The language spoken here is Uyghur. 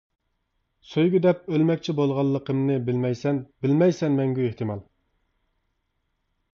سۆيگۈ دەپ ئۆلمەكچى بولغانلىقىمنى، بىلمەيسەن-بىلمەيسەن مەڭگۈ ئېھتىمال.